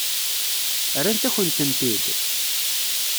Rrant-akent-tent-id?